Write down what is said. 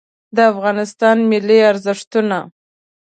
د افغانستان ملي ارزښتونه